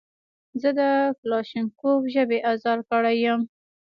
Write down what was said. زه د کلاشینکوف ژبې ازار کړی یم.